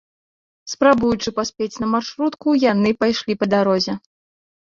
Спрабуючы паспець на маршрутку, яны пайшлі па дарозе.